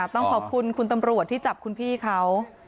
ต้องขอบคุณคุณตำรวจที่จับคุณพี่เขา